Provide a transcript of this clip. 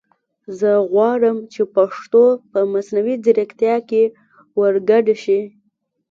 زه غواړم چې پښتو په مصنوعي زیرکتیا کې ور ګډه شي